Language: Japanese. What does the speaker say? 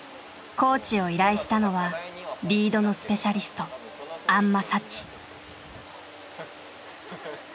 コーチを依頼したのはリードのスペシャリスト安間佐千。